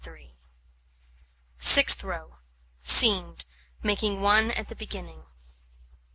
Sixth row: Seamed, making 1 at the beginning.